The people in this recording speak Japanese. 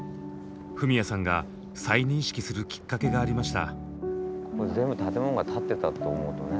フミヤさんが再認識するきっかけがありました。